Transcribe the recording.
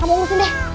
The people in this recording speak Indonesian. kamu umusin deh